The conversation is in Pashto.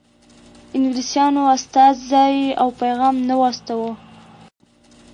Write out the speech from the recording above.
انګلیسیانو استازی او پیغام نه و استاوه.